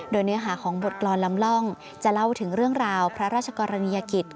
โดยเนื้อหาของบทกรรมลำล่องจะเล่าถึงเรื่องราวพระราชกรณียกิจ